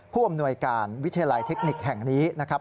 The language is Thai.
ผู้อำนวยการวิทยาลัยเทคนิคแห่งนี้นะครับ